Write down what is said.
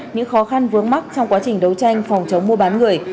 những khó khăn vướng mắt trong quá trình đấu tranh phòng chống mua bán người